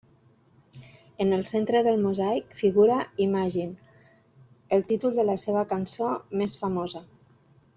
En el centre del mosaic figura Imagine, el títol de la seva cançó més famosa.